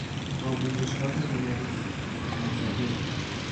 آموزشگاه هنری، هنرکده